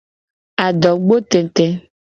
Adogbo tete.